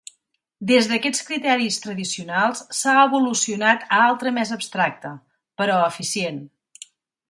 Des d'aquests criteris tradicionals s'ha evolucionat a altre més abstracte, però eficient.